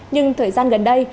nhưng thời gian gần đây